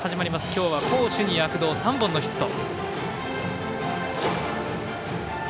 今日は攻守に躍動３本のヒット。